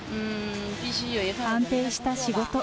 安定した仕事。